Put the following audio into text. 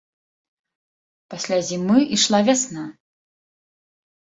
Пасля зімы ішла вясна.